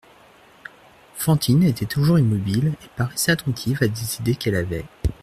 Fantine était toujours immobile et paraissait attentive à des idées qu'elle avait.